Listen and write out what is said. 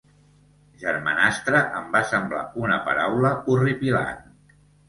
Germanastre em va semblar una paraula horripilant.